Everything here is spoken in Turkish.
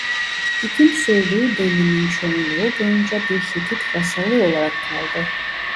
Hüküm sürdüğü dönemin çoğunluğu boyunca bir Hitit vasalı olarak kaldı.